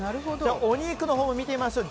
お肉のほうも見てみましょう。